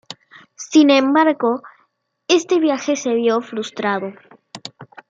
Sin embargo, este viaje se vio frustrado.